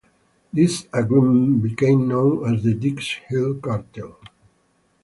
This agreement became known as the Dix-Hill Cartel.